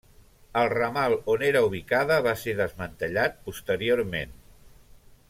El ramal on era ubicada va ser desmantellat posteriorment.